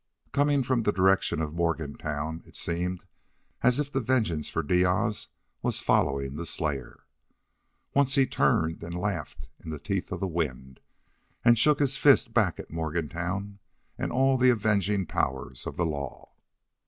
Coming from the direction of Morgantown, it seemed as if the vengeance for Diaz was following the slayer. Once he turned and laughed in the teeth of the wind, and shook his fist back at Morgantown and all the avenging powers of the law.